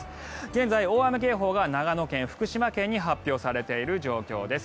現在、大雨警報が長野県、福島県に発表されている状況です。